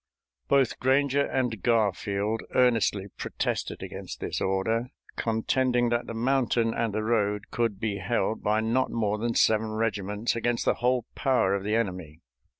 Both Granger and Garfield earnestly protested against this order, contending that the mountain and the road could be held by not more than seven regiments against the whole power of the enemy.